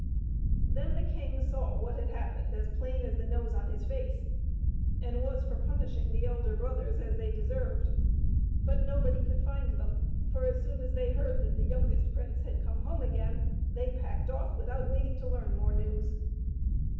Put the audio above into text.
Then the king saw what had happened as plain as the nose on his face, and was for punishing the elder brothers as they deserved, but nobody could find them, for as soon as they heard that the youngest prince had come home again they packed off without waiting to learn more news.